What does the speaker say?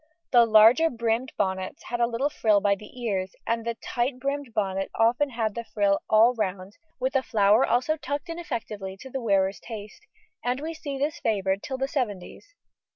The larger brimmed bonnets had a little frill by the ears, and the tight brimmed bonnet often had the frill all round with a flower also tucked in effectively to the wearer's taste, and we see this favoured till the seventies.